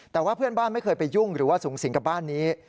แต่ว่าเพื่อนบ้านไม่เคยไปยุ่งหรือว่าสูงสิงกับบ้านนี้